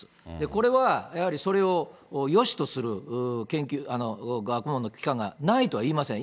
これはやはりそれをよしとする学問の機関がないとはいいません。